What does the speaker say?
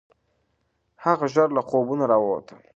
هغه ژر له خوبونو راووت.